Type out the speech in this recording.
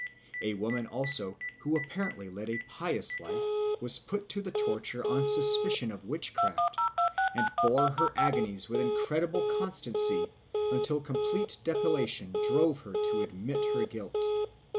A woman also, who apparently led a pious life, was put to the torture on suspicion of witchcraft, and bore her agonies with incredible constancy, until complete depilation drove her to admit her guilt.